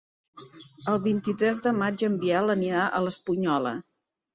El vint-i-tres de maig en Biel anirà a l'Espunyola.